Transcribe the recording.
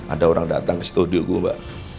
ada orang datang ke studio gue mbak